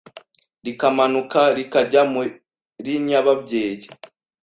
rikamanuka rikajya muri nyababyeyi